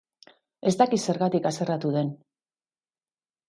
Ez dakit zergatik haserretu den